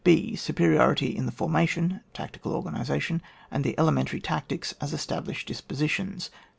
Superiority in the formation (tacti cal organisation) and the elementary tactics as established dispositions.